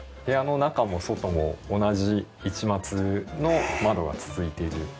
部屋の中も外も同じ市松の窓が続いている。